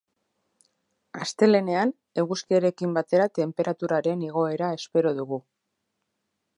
Astelehenean, eguzkiarekin batera tenperaturaren igoera espero dugu.